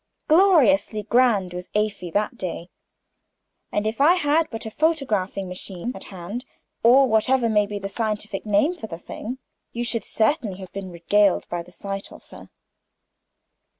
Gloriously grand was Afy that day and if I had but a photographing machine at hand or whatever may be the scientific name of the thing you should certainly have been regaled with the sight of her.